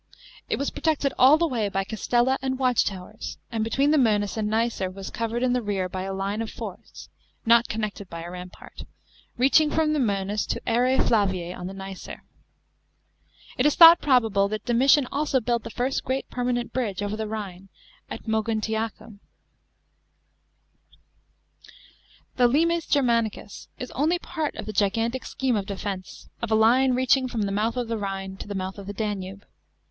It was protected all the way by castella and watchtowers, and between the Moenus and Mcer was covered in the rear by a line of forts (not connected by a rampart) reaching from the Mcenus to Area Flaviae on the Nicer. It is thought probable that Domitian also built the first great permanent bridge over the Khine at M« >guntiacum. § 10. The linies Germanicus is only part of a gigantic scheme of defence, of a line reaching from the mouth of the Rhine to the mouth of the Danube.